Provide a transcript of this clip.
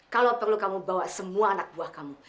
kalau perlu kamu bawa semua anak buah kamu